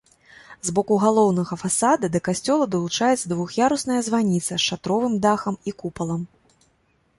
З боку галоўнага фасада да касцёла далучаецца двух'ярусная званіца з шатровым дахам і купалам.